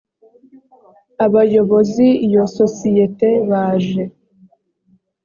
abayobozi iyo sosiyete baje